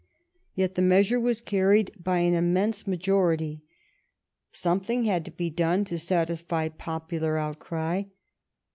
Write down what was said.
Yet the measure was carried by an immense majority. Something had to be done to satisfy popular outcry.